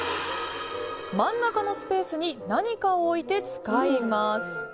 真ん中のスペースに何かを置いて使います。